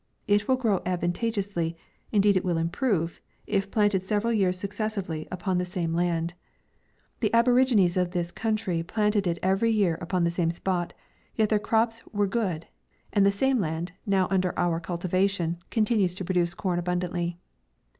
It will grow ad vantageously, indeed it will improve, if plan ted several years successively upon the same 104 MAY. land. The aborigines of this country plant ed it every year upon the same spot, yet their crops were good, and the same land, now un der our cultivation, continues to produce corn abundantly.